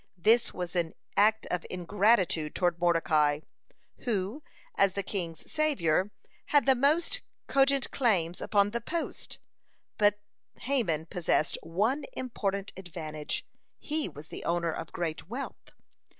This was an act of ingratitude toward Mordecai, who, as the king's savior, had the most cogent claims upon the post. (92) But Haman possessed one important advantage, he was the owner of great wealth.